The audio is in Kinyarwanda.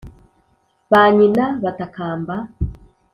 Ba nyina batakamba!